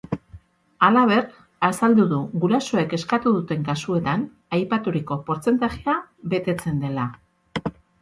Halaber, azaldu du gurasoen eskatu duten kasuetan aipaturiko portzentajea betetzen dela.